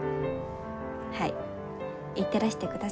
はい行ってらしてください。